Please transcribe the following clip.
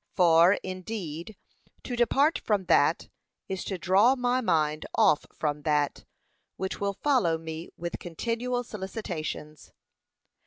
For, indeed, to depart from that, is to draw my mind off from that, which will follow me with continual solicitations.